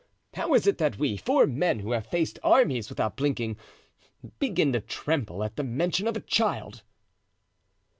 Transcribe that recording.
How is it that we, four men who have faced armies without blinking, begin to tremble at the mention of a child?"